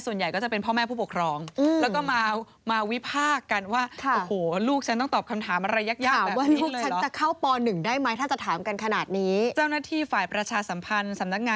ส่วนใหญ่ก็จะเป็นพ่อแม่ผู้ปกครอง